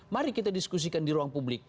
mari kita diskusikan di ruang publik